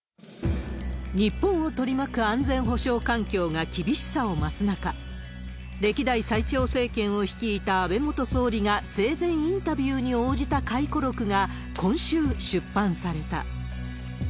日本を取り巻く安全保障環境が厳しさを増す中、歴代最長政権を率いた安倍元総理が生前、インタビューに応じた回顧録が今週、出版された。